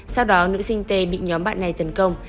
sau đó nữ sinh tê bị nhóm bạn này tấn công